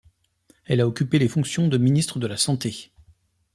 Elle a occupé les fonctions de ministre de la Santé.